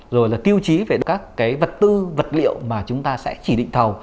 rồi tiêu chí về các vật tư vật liệu mà chúng ta sẽ trì định thầu